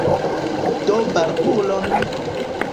Do barbulon!